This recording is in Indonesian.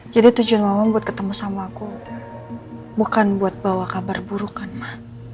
jadi tujuan mama buat ketemu sama aku bukan buat bawa kabar buruk kan ma